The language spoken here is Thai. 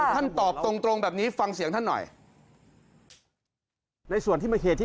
ท่านตอบตรงแบบนี้ฟังเสียงท่านหน่อย